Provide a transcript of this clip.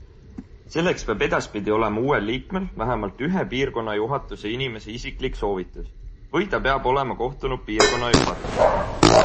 Selleks peab edaspidi olema uuel liikmel vähemalt ühe piirkonna juhatuse inimese isiklik soovitus või ta peab olema kohtunud piirkonna juhatusega.